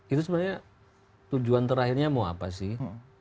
itu sebenarnya tujuan terakhirnya mau apa sih